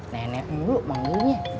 nenek dulu mau ini